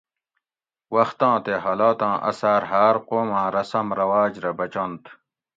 وختاں تے حالاتاں اثار ھاۤر قوماں رسم رواج رہ بچنت